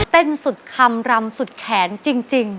เป็นสุดคำลำสุดแขนจริง